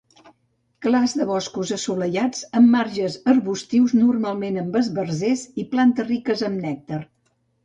Clars de boscos assolellats amb marges arbustius, normalment amb esbarzers i plantes riques amb nèctar.